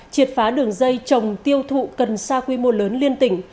triệt phá đường dây trồng tiêu thụ cần sa quy mô lớn liên tỉnh